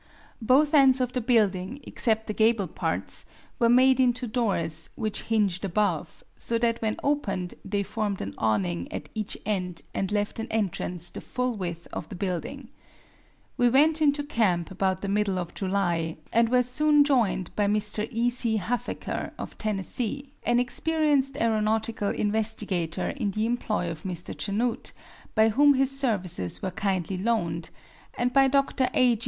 Both ends of the building, except the gable parts, were made into doors which hinged above, so that when opened they formed an awning at each end and left an entrance the full width of the building. We went into camp about the middle of July, and were soon joined by Mr. E. C. Huffaker, of Tennessee, an experienced aeronautical investigator in the employ of Mr. Chanute, by whom his services were kindly loaned, and by Dr. A.